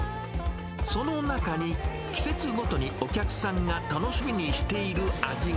その中に、季節ごとにお客さんが楽しみにしている味が。